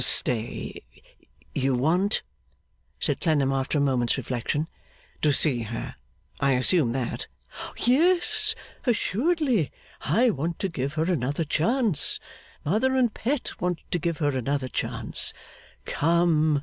'Stay! You want,' said Clennam, after a moment's reflection, 'to see her? I assume that?' 'Yes, assuredly; I want to give her another chance; Mother and Pet want to give her another chance; come!